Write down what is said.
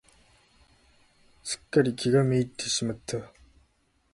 すっかり気が滅入ってしまった。